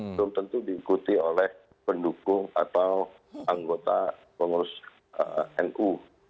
belum tentu diikuti oleh pendukung atau anggota pengurus nu